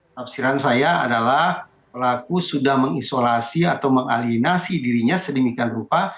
tafsiran saya adalah pelaku sudah mengisolasi atau mengalinasi dirinya sedemikian rupa